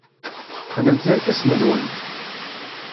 Qqnemt irkasen-nwent.